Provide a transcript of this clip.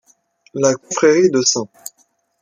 La confrérie de St.